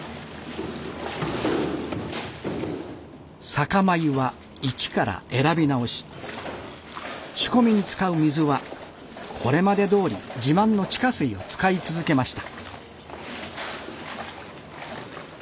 酒米は一から選び直し仕込みに使う水はこれまでどおり自慢の地下水を使い続けました。